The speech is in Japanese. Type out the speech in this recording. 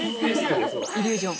イリュージョン。